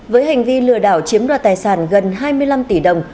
với hành vi lừa đảo chiếm đoạt tài sản gần hai mươi năm tỷ đồng